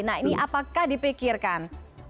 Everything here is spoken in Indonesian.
nah ini apakah dipikirkan